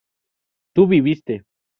tú viviste